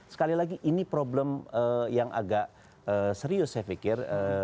sekali lagi ini problem yang agak serius saya pikir